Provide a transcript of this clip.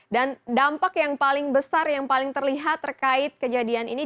dan dampak yang paling besar yang paling terlihat terkait kejadian ini